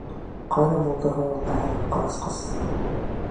Ҡайҙа булды һуң ул ҡәһәр һуҡҡыр асҡыс?!